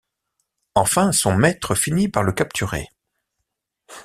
Enfin, son maître finit par le capturer.